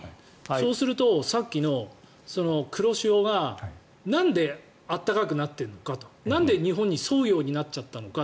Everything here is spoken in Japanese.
そうすると、さっきの黒潮がなんで、暖かくなってるのかとなんで日本に沿うようになっちゃったのか。